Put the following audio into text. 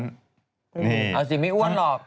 ก็ไม่รู้สิกันโอเคเกี้ยว้าวชอบ